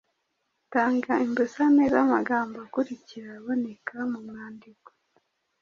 Tanga imbusane z’amagambo akurikira aboneka mu mwandiko: